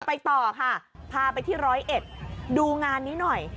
ไปต่อค่ะพาไปที่ร้อยเอ็ดดูงานนี้หน่อย